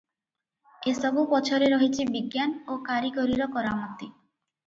ଏସବୁ ପଛରେ ରହିଛି ବିଜ୍ଞାନ ଓ କାରିଗରୀର କରାମତି ।